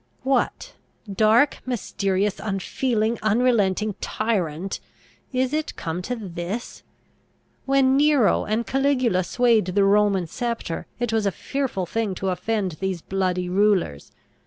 What dark, mysterious, unfeeling, unrelenting tyrant! is it come to this? When Nero and Caligula swayed the Roman sceptre, it was a fearful thing to offend these bloody rulers.